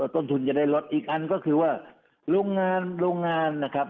ต้นทุนจะได้ลดอีกอันก็คือว่าโรงงานโรงงานนะครับ